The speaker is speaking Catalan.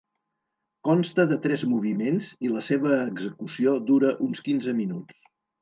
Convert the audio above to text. Consta de tres moviments i la seva execució dura uns quinze minuts.